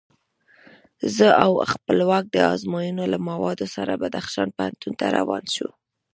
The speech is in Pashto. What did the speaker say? زه او خپلواک د ازموینو له موادو سره بدخشان پوهنتون ته روان شوو.